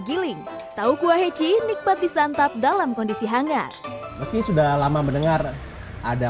giling tahu kuah heci nikmat disantap dalam kondisi hangat meski sudah lama mendengar ada